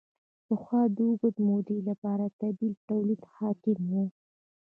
پخوا د اوږدې مودې لپاره طبیعي تولید حاکم و.